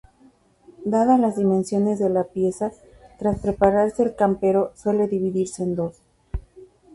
Dadas las dimensiones de la pieza, tras prepararse el campero suele dividirse en dos.